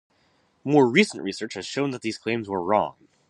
More recent research has shown that these claims were wrong.